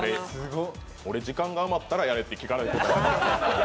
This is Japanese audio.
俺、時間が余ったらやれって聞かされてた。